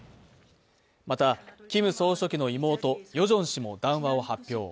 また、キム総書記の妹・ヨジョン氏も談話を発表。